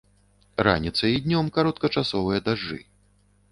Раніцай і днём кароткачасовыя дажджы.